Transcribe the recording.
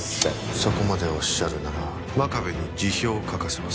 そこまでおっしゃるなら真壁に辞表を書かせます。